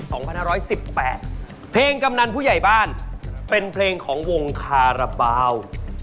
สองพ้าน้ำร้อยสิบแปดเพลงกำนันผู้ใหญ่บ้านเป็นเพลงของวงคาราบาว